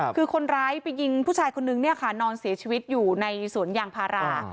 คือคนร้ายไปยิงผู้ชายคนนึงเนี่ยค่ะนอนเสียชีวิตอยู่ในสวนยางพารา